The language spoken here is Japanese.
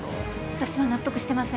私は納得してません。